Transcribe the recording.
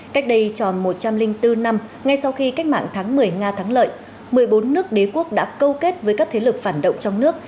cách đây tròn một trăm linh bốn năm ngay sau khi cách mạng tháng một mươi nga thắng lợi một mươi bốn nước đế quốc đã câu kết với các thế lực phản động trong nước